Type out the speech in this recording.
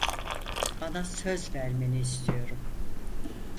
Bana söz vermeni istiyorum.